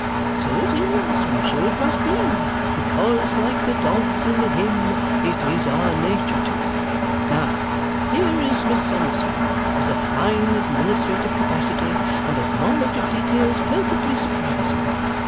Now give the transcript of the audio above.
So it is, and so it must be, because like the dogs in the hymn, 'it is our nature to.' Now, here is Miss Summerson with a fine administrative capacity and a knowledge of details perfectly surprising.